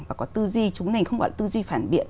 và có tư duy chúng mình không gọi là tư duy phản biện